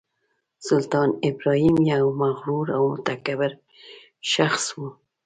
سلطان ابراهیم یو مغرور او متکبر شخص و.